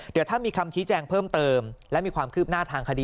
เดี๋ยวถ้ามีคำชี้แจงเพิ่มเติมและมีความคืบหน้าทางคดี